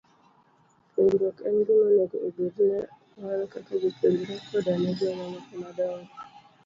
Puonjruok en gima onego obed ne wan kaka jopuonjre, koda ne jomamoko madongo.